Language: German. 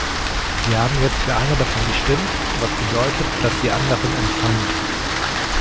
Wir haben jetzt für eine davon gestimmt, was bedeutet, dass die anderen entfallen.